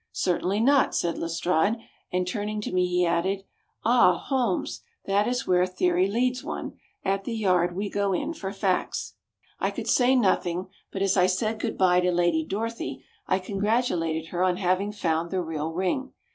"Certainly not," said Lestrade, and turning to me he added: "Ah! Holmes, that is where theory leads one. At the Yard we go in for facts." I could say nothing; but as I said good bye to Lady Dorothy, I congratulated her on having found the real ring.